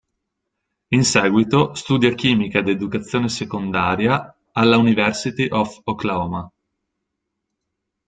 In seguito studia chimica ed educazione secondaria alla University of Oklahoma.